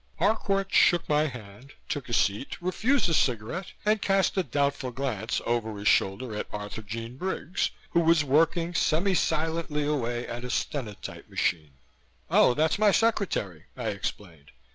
Harcourt shook my hand, took a seat, refused a cigarette and cast a doubtful glance over his shoulder at Arthurjean Briggs, who was working semi silently away at a stenotype machine. "Oh, that's my secretary," I explained.